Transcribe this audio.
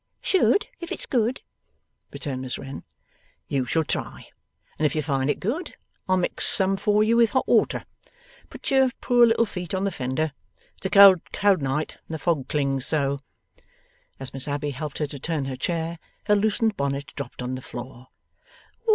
'Should if it's good,' returned Miss Wren. 'You shall try. And, if you find it good, I'll mix some for you with hot water. Put your poor little feet on the fender. It's a cold, cold night, and the fog clings so.' As Miss Abbey helped her to turn her chair, her loosened bonnet dropped on the floor.